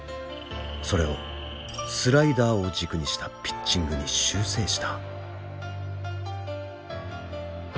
それをスライダーを軸にしたピッチングに修正した。